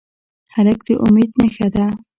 هلک د امید نښه ده.